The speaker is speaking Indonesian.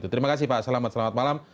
terima kasih pak selamat selamat malam